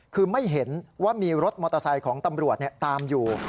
คือไม่เห็นว่ามีรถมอเตอร์ไซค์ของตำรวจตามอยู่